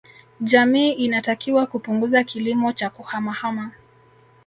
Jamii inatakiwa kupunguza kilimo cha kuhamahama